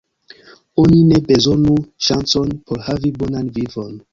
Oni ne bezonu ŝancon por havi bonan vivon.